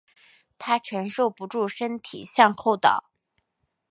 她承受不住身体向后倒